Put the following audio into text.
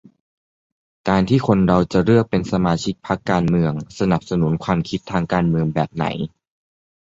การที่คนเราจะเลือกเป็นสมาชิกพรรคการเมือง-สนับสนุนความคิดทางการเมืองแบบไหน